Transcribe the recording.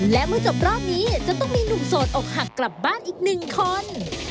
และเมื่อจบรอบนี้จะต้องมีหนุ่มโสดอกหักกลับบ้านอีกหนึ่งคน